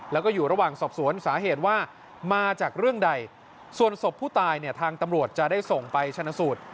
แล้วก็อยู่ระหว่างสอบสวนสาเหตุว่ามาจากเรื่องใดส่วนศพผู้ตายเนี่ยทางตำรวจจะได้ส่งไปชนะสูตร